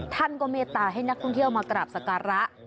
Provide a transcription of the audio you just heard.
ท่านก็เมตตาให้นักท่องเที่ยวมากราบสการะ